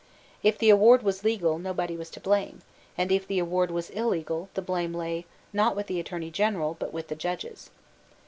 If the award was legal, nobody was to blame; and, if the award was illegal, the blame lay, not with the Attorney General, but with the Judges.